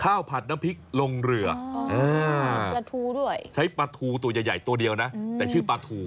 ข้าวผัดน้ำพริกลงเรือใช้ปลาทูตัวใหญ่ตัวเดียวนะแต่ชื่อปลาทู